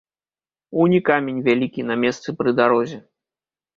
Унь і камень вялікі на месцы пры дарозе.